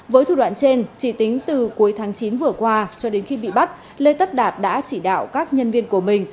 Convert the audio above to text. với thủ đoạn trên chỉ tính từ cuối tháng chín vừa qua cho đến khi bị bắt lê tất đạt đã chỉ đạo các nhân viên của mình